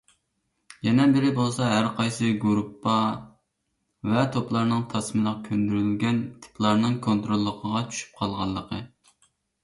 يەنە بىرى بولسا، ھەرقايسى گۇرۇپپا ۋە توپلارنىڭ تاسمىلىق كۆندۈرۈلگەن تىپلارنىڭ كونتروللۇقىغا چۈشۈپ قالغانلىقى.